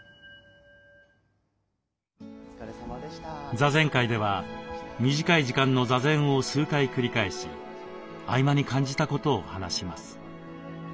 座禅会では短い時間の座禅を数回繰り返し合間に感じたことを話します。